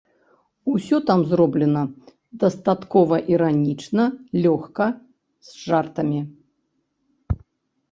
Усё там зроблена дастаткова іранічна, лёгка, з жартамі.